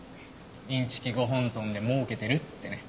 インチキご本尊で儲けてるってね。